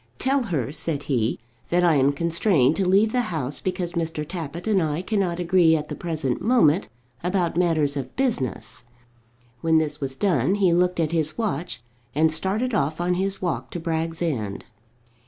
"Tell her," said he, "that I am constrained to leave the house because Mr. Tappitt and I cannot agree at the present moment about matters of business." When this was done he looked at his watch, and started off on his walk to Bragg's End.